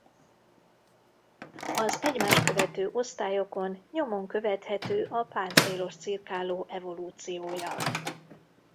Az egymást követő osztályokon nyomon követhető a páncélos cirkáló evolúciója.